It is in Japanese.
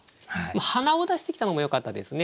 「鼻」を出してきたのもよかったですね。